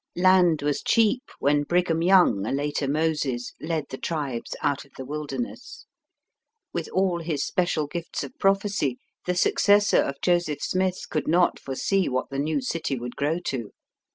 Land was cheap when Brigham Young, a later Moses, led the tribes out of the wilderness. With all his special gifts of prophecy, the successor of Joseph Smith could not foresee what the new city would grow to.